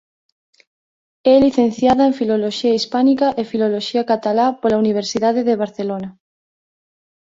É licenciada en Filoloxía Hispánica e Filoloxía Catalá pola Universidade de Barcelona.